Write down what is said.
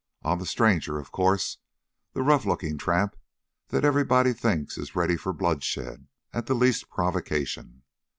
On the stranger, of course the rough looking tramp that everybody thinks is ready for bloodshed at the least provocation.